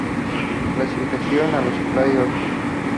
Clasifican a los playoff.